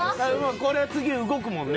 これは次動くもんね。